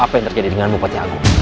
apa yang terjadi dengan bupati agung